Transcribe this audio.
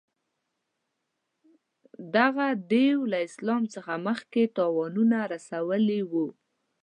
دغه دېو له اسلام څخه مخکې تاوانونه رسولي وه.